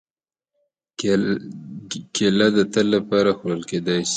کېله د تل لپاره خوړل کېدای شي.